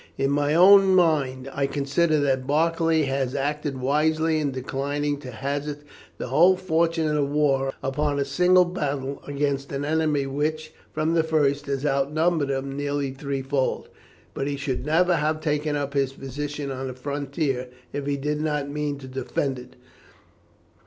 In my own mind, I consider that Barclay has acted wisely in declining to hazard the whole fortune of the war upon a single battle against an enemy which, from the first, has outnumbered him nearly threefold, but he should never have taken up his position on the frontier if he did not mean to defend it.